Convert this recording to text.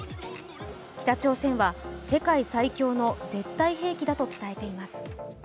北朝鮮は世界最強の絶対兵器だと伝えています。